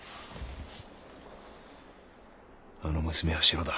あの娘はシロだ。